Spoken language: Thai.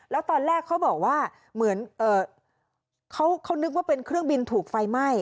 แล้วตอนแรกเขาบอกว่าเหมือนเขานึกว่าเป็นเครื่องบินถูกไฟไหม้